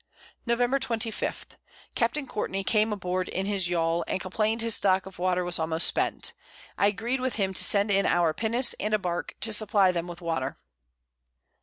Nov. 25. Capt. Courtney came aboard in his Yawl, and complain'd his Stock of Water was almost spent; I agreed with him to send in our Pinnace, and a Bark, to supply them with Water.